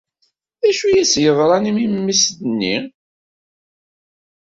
D acu ay as-yeḍran i memmi-s-nni?